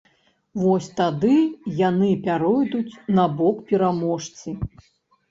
Вось тады яны пяройдуць на бок пераможцы.